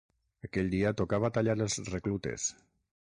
Aquell dia tocava tallar els reclutes.